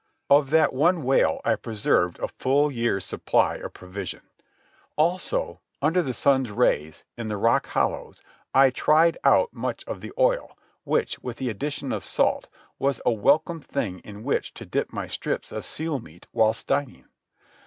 Of that one whale I preserved a full year's supply of provision. Also, under the sun's rays, in the rock hollows, I tried out much of the oil, which, with the addition of salt, was a welcome thing in which to dip my strips of seal meat whilst dining.